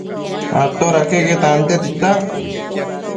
Atoda queque tantia tita